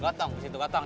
gotong disitu gotong